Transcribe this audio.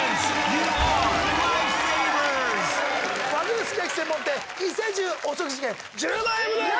ユーアー和牛すき焼き専門店『伊勢重』お食事券１０万円分です。